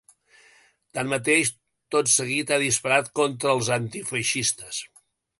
Tanmateix, tot seguit ha disparat contra els antifeixistes.